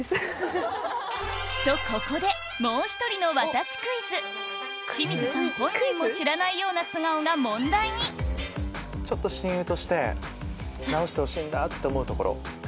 とここで清水さん本人も知らないような素顔が問題にちょっと親友として直してほしいんだって思うところ。